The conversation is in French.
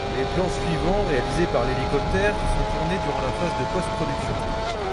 Les plans suivants réalisés par hélicoptère sont tournés durant la phase de postproduction.